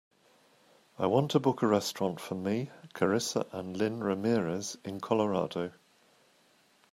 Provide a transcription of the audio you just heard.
I want to book a restaurant for me, carissa and lynn ramirez in Colorado.